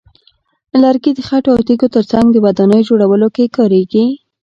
لرګي د خټو او تیږو ترڅنګ د ودانیو جوړولو کې کارېږي.